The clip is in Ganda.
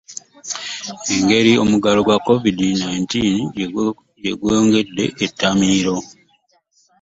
Engeri omuggalo gwa Kovidi kummi na mwenda jegwongedde ettamiiro .